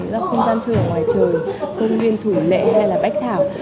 là không gian chơi ở ngoài trời công viên thủy lễ hay là bách thảo